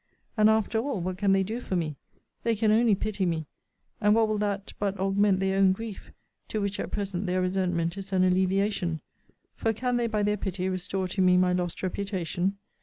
And after all, what can they do for me? They can only pity me: and what will that but augment their own grief; to which at present their resentment is an alleviation? for can they by their pity restore to me my lost reputation?